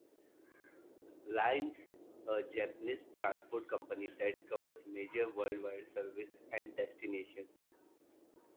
Lines, a Japanese transport company that covers major worldwide services and destinations.